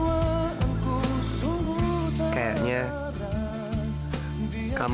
enggak enggak enggak